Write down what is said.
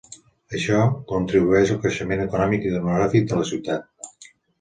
Això contribueix al creixement econòmic i demogràfic de la ciutat.